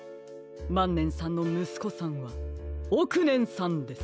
まんねんさんのむすこさんはおくねんさんです！